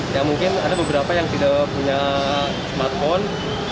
ya mungkin ada beberapa yang tidak punya smartphone